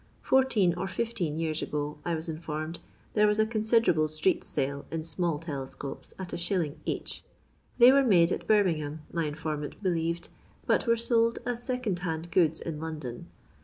Fourteen or fifteen years ago, I was informed, there was a consider able street sale in small telescopes at \$. each. They were made at Birmingham, my informant believed, but were sold as second hand goods in London.